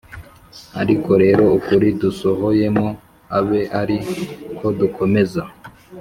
Ariko rero ukuri dusohoyemo abe ari ko dukomeza